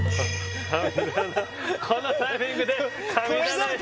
このタイミングで神棚